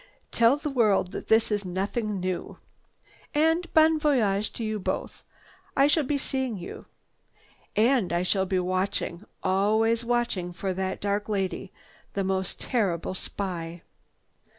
Tell the world that this is nothing new. And bon voyage to you both. I shall be seeing you. And I shall be watching, always watching for that dark lady, the most terrible spy."